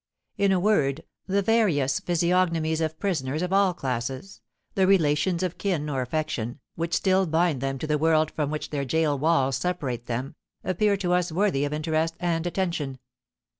In a word, the various physiognomies of prisoners of all classes, the relations of kin or affection, which still bind them to the world from which their gaol walls separate them, appear to us worthy of interest and attention.